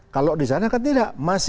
kalau di sana kan tidak